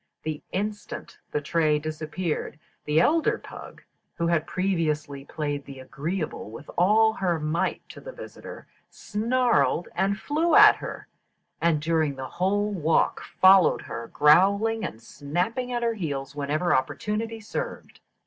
The instant the tray disappeared, the elder pug, who had previously played the agreeable with all her might to the visitor, snarled and flew at her, and during the whole walk followed her, growling and snapping at her heels whenever opportunity served.